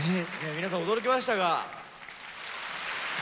皆さん驚きましたか？